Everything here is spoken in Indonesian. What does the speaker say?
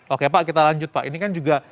oke pak kita lanjut pak